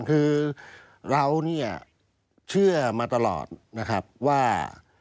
คือเรานี่ชื่อมาตลอดว่า